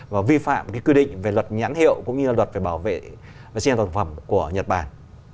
và vi phạm quy định về luật nhãn hiệu cũng như luật bảo vệ sản phẩm của nhật bản